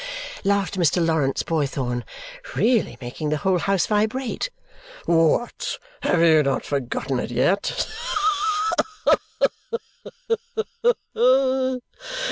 "Ha, ha, ha!" laughed Mr. Lawrence Boythorn, really making the whole house vibrate. "What, you have not forgotten it yet!